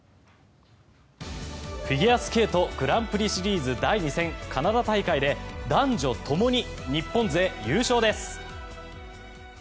フィギュアスケートグランプリシリーズ第２戦カナダ大会で男女ともに日本勢優勝です。